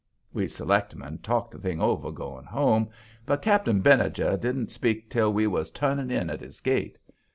We selectmen talked the thing over going home, but Cap'n Benijah didn't speak till we was turning in at his gate.